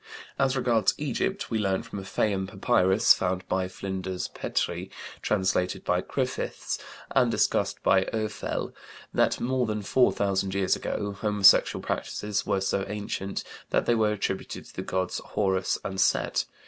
As regards Egypt we learn from a Fayum papyrus, found by Flinders Petrie, translated by Griffiths, and discussed by Oefele, that more than four thousand years ago homosexual practices were so ancient that they were attributed to the gods Horus and Set.